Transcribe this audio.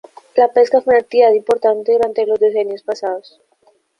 La pesca fue una actividad importante durante los decenios pasados.